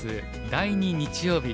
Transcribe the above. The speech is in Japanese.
第２日曜日